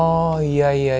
dia udah berubah